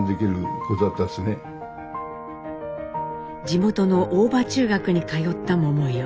地元の大場中学に通った百代。